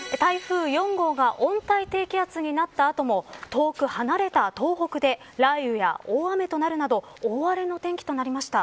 台風４号が温帯低気圧になった後も遠く離れた東北で雷雨や大雨となるなど大荒れの天気となりました。